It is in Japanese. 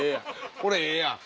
これええやん。